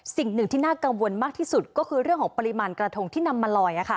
สิ่งหนึ่งที่น่ากังวลมากที่สุดก็คือเรื่องของปริมาณกระทงที่นำมาลอย